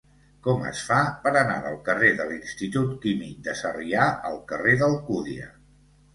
Com es fa per anar del carrer de l'Institut Químic de Sarrià al carrer d'Alcúdia?